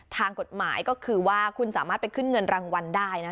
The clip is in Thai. ทางกฎหมายก็คือว่าคุณสามารถไปขึ้นเงินรางวัลได้นะ